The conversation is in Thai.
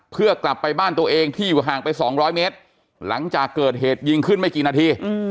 เพื่อกลับไปบ้านตัวเองที่อยู่ห่างไป๒๐๐เมตรหลังจากเกิดเหตุยิงขึ้นไม่กี่นาที